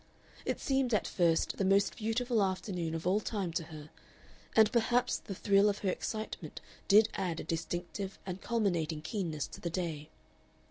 It seemed at first the most beautiful afternoon of all time to her, and perhaps the thrill of her excitement did add a distinctive and culminating keenness to the day.